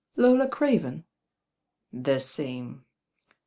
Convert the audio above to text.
" "Lola Craven?" "The same.